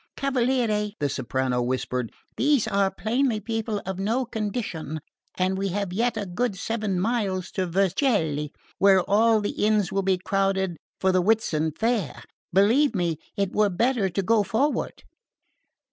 "Cavaliere," the soprano whispered, "these are plainly people of no condition, and we have yet a good seven miles to Vercelli, where all the inns will be crowded for the Whitsun fair. Believe me, it were better to go forward."